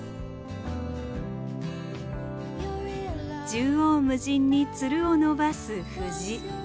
縦横無尽にツルを伸ばすフジ。